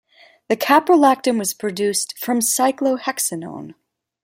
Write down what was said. The caprolactam was produced from cyclohexanone.